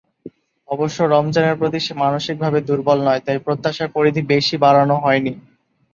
অবশ্য রমজানের প্রতি সে মানসিকভাবে দুর্বল নয়, তাই প্রত্যাশার পরিধি বেশি বাড়ানো হয়নি।